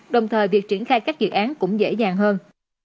đồng thời việc triển khai các dự án cũng dễ dàng hơn